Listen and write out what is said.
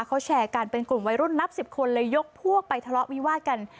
เขาแชร์กันเป็นกลุ่มวัยรุ่นนับสิบคนเลยยกพวกไปทะเลาะวิวาดกัน